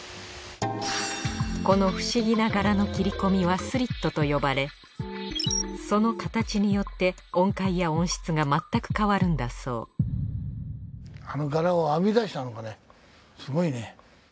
この不思議な柄の切り込みはスリットと呼ばれその形によって音階や音質が全く変わるんだそうすごいね。